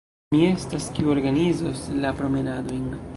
Mi estas, kiu organizos la promenadojn.